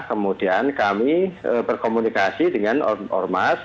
kemudian kami berkomunikasi dengan ormas